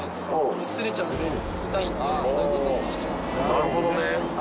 なるほどね。